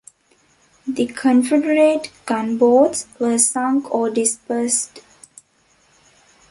The Confederate gunboats were sunk or dispersed.